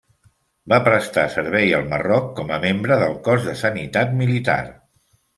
Va prestar servei al Marroc com a membre del Cos de Sanitat Militar.